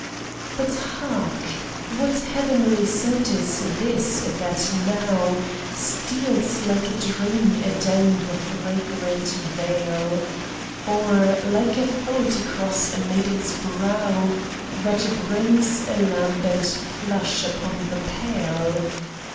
But hark ! what heavenly sound is this that now Steals like a dream adown the fragrant vale, Or like a thought across a maiden's brow, That brings a lambent flush upon the pale